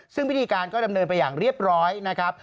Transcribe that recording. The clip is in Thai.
ซึ่งพิธีการก็ดำเนินไปอย่างเรียบร้อยนะครับ